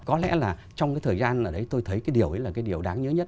có lẽ là trong cái thời gian ở đấy tôi thấy cái điều ấy là cái điều đáng nhớ nhất